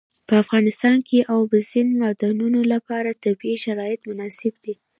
په افغانستان کې د اوبزین معدنونه لپاره طبیعي شرایط مناسب دي.